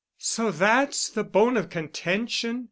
"So that's the bone of contention?